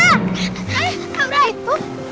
eh aura itu